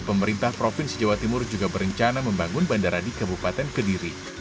pemerintah provinsi jawa timur juga berencana membangun bandara di kabupaten kediri